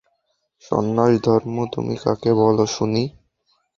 সন্ন্যাসধর্ম তুমি কাকে বল শুনি।